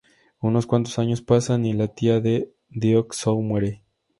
Unos cuantos años pasan, y la tía de Deok-soo muere.